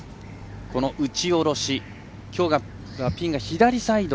この打ち下ろしきょう、ピンが左サイド。